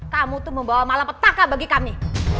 kamu tuh membawa malam petaka bagi kami